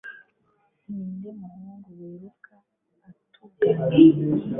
Ninde muhungu wiruka atugana